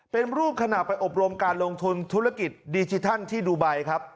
เป็นรูปขณะไปอบรมการลงทุนธุรกิจดิจิทัลที่ดูไบครับ